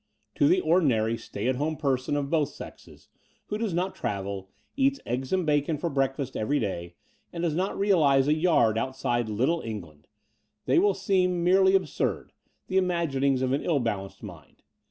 To the ordinary stay at home person of both sexes, who does not travel, eats eggs and bacon for breakfast every day, and does not realize a yard outside Little England," they will seem merely absurd, the imaginings of an ill balanced mind.